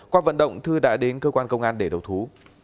qua vận động thư đã đến cơ quan công an để đầu thú